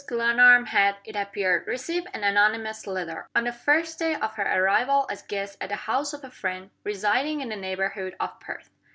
Glenarm had, it appeared, received an anonymous letter, on the first day of her arrival as guest at the house of a friend, residing in the neighborhood of Perth.